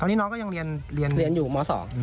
ตอนนี้น้องก็ยังเรียนเรียนอยู่ม๒